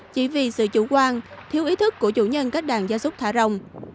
chỉ vì sự chủ quan thiếu ý thức của chủ nhân cách đàn gia súc thả rong